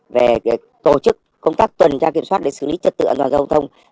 về tổ chức công tác tuần tra kiểm soát để xử lý trật tựa dòng sông